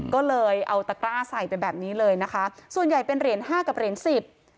ก็เลยเอาตะกร้าใส่ไปแบบนี้เลยนะคะส่วนใหญ่เป็นเหรียญห้ากับเหรียญสิบ